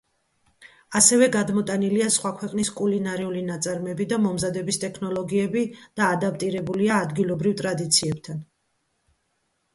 ასევე, გადმოტანილია სხვა ქვეყნის კულინარიული ნაწარმები და მომზადების ტექნოლოგიები, და ადაპტირებულია ადგილობრივ ტრადიციებთან.